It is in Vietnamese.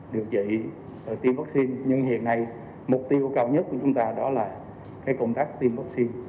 dịch tiêm vaccine nhưng hiện nay mục tiêu cao nhất của chúng ta đó là cái công tác tiêm vaccine